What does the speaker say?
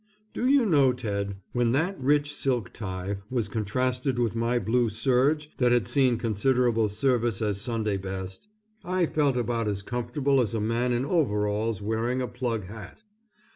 Do you know Ted, when that rich silk tie was contrasted with my blue serge that had seen considerable service as Sunday best, I felt about as comfortable as a man in overalls wearing a plug hat.